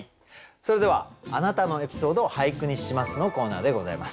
それでは「あなたのエピソード、俳句にします」のコーナーでございます。